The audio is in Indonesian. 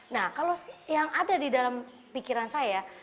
nah kalau yang ada di dalam pikiran saya